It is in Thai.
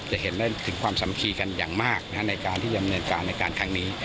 จะเห็นได้ถึงความสำคีกันอย่างมากในการที่จะบรรยาการในการทางนี้